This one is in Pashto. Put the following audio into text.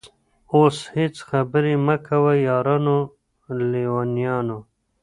اوس هيڅ خبري مه كوی يارانو ليـونيانـو